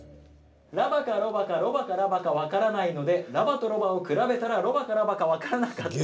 ラバかロバかロバかラバか分からないのでラバとロバを比べたらロバかラバか分からなかった。